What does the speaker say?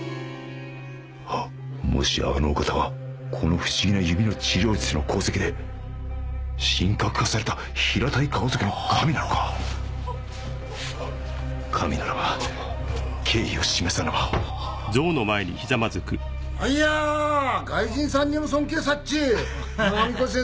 はっもしやあのお方はこの不思議な指の治療術の功績で神格化された平たい顔族の神なのか神ならば敬意を示さねばあいや外人さんにも尊敬さっち浪越先生